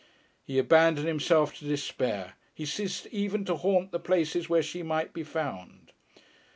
He abandoned himself to despair, he ceased even to haunt the places where she might be found.